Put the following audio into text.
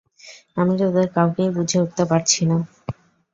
আমি তোদের কাউকেই বুঝে উঠতে পারছি না।